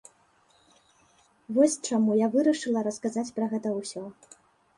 Вось чаму я вырашыла расказаць пра гэта ўсё.